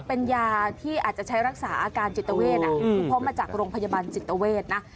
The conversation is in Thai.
เป็นยาที่อาจจะใช้รักษาอาการจิตเวทเพราะมาจากโรงพยาบาลจิตเวทนะ